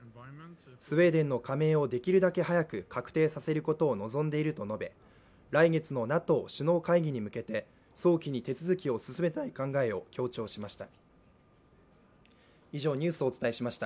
スウェーデンの加盟をできるだけ早く確定させることを望んでいると述べ、来月のＮＡＴＯ首脳会議に向けて早期に手続きを進めたい考えを強調しました。